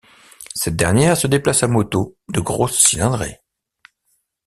Cette dernière se déplace à moto de grosse cylindrée.